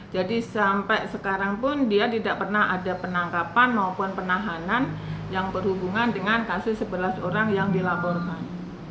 jadi sampai sekarang pun dia tidak pernah ada penangkapan maupun penahanan yang berhubungan dengan kasus sebelas orang yang dilaporkan